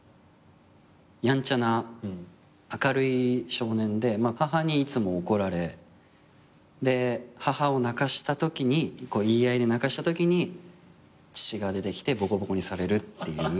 やんちゃな明るい少年で母にいつも怒られ母を泣かしたときに言い合いで泣かしたときに父が出てきてボコボコにされるっていう。